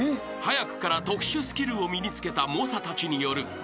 ［早くから特殊スキルを身に付けた猛者たちによる］